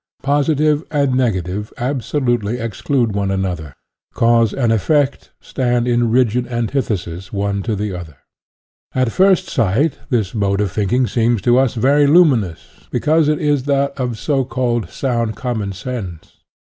Positive and negative absolutely exclude one another; cause and effect stand in a rigid antithesis one to the other. At first sight this mode of thinking seems to us very luminous, because it is that of so called sound commonsense.